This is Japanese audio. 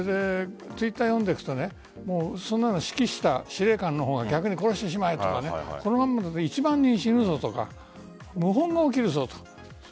Ｔｗｉｔｔｅｒを読んでいくとそんなの指揮した司令官の方を逆に殺してしまえとかこのままだと１万人死ぬぞとか謀反が起きるぞと。